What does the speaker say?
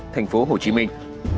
thành phố hồ chí minh